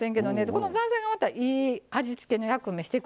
このザーサイがまたいい味付けの役目してくれるんですわ。